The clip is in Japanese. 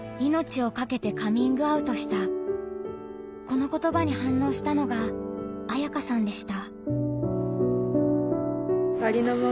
この言葉に反応したのがあやかさんでした。